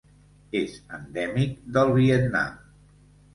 És endèmic del Vietnam.